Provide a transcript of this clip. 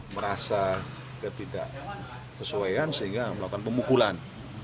merasa ketidaksesuaian sehingga melakukan pemukulan